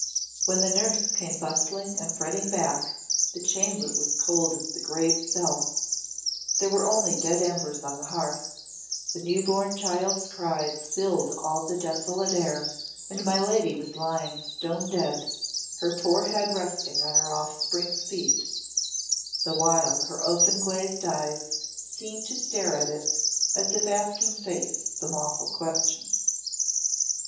When the nurse came bustling and fretting back, the chamber was cold as the grave's self there were only dead embers on the hearth, the new born child's cries filled all the desolate air, and my lady was lying stone dead, her poor head resting on her offspring's feet, the while her open glazed eyes seemed to stare at it as if in asking Fate some awful question.